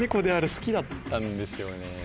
好きだったんですよね。